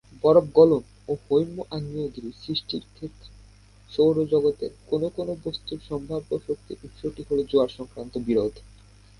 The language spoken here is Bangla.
বরফ গলন ও হৈম-আগ্নেয়গিরির সৃষ্টির ক্ষেত্রে সৌরজগতের কোনও কোনও বস্তুর সম্ভাব্য শক্তির উৎসটি হল জোয়ার-সংক্রান্ত বিরোধ।